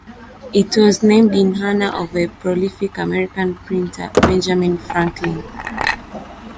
It was named in honor of a prolific American printer, Benjamin Franklin.